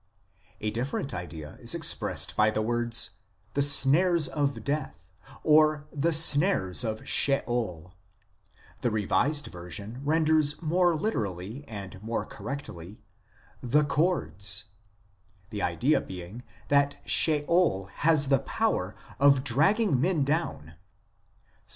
l A different idea is expressed by the words " the snares of death" or "the snares of Sheol" ; the Revised Version renders more literally and more correctly, " the cords," the idea being that Sheol has the power of dragging men down (Ps.